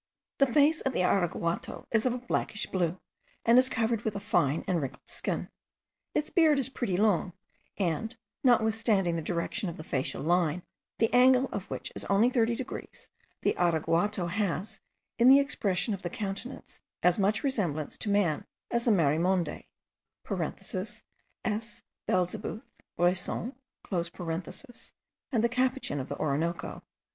The face of the araguato is of a blackish blue, and is covered with a fine and wrinkled skin: its beard is pretty long; and, notwithstanding the direction of the facial line, the angle of which is only thirty degrees, the araguato has, in the expression of the countenance, as much resemblance to man as the marimonde (S. belzebuth, Bresson) and the capuchin of the Orinoco (S.